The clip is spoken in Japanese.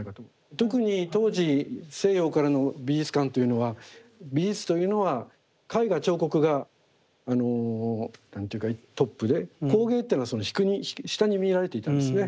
特に当時西洋からの美術観というのは美術というのは絵画彫刻がトップで工芸っていうのはその下に見られていたんですね。